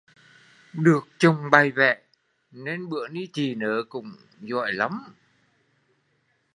Được chồng bày vẽ nên bữa ni chị nớ cũng giỏi lắm